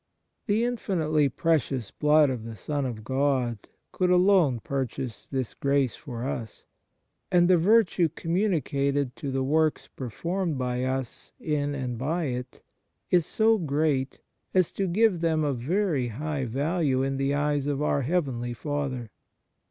The infinitely Precious Blood of the Son of God could alone purchase this grace for us, and the virtue communicated to the works performed by us in and by it is so great as to give them a very high value in the eyes of our heavenly Father.